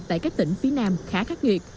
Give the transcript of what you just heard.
tại các tỉnh phía nam khá khắc nghiệt